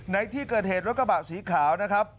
ในที่เกิดเหตุรถกระบะสีขาวนะครับ